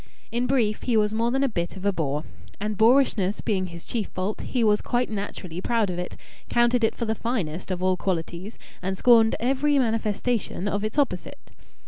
In brief, he was more than a bit of a boor. And boorishness being his chief fault, he was quite naturally proud of it, counted it for the finest of all qualities, and scorned every manifestation of its opposite.